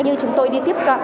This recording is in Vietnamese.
như chúng tôi đi tiếp cận